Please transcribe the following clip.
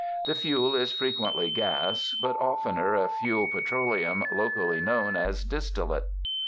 The fuel is frequently gas, but oftener a fuel petro leum locally known as '^ distillate."